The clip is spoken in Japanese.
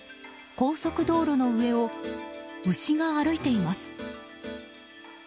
高速道路の上を牛が歩いています。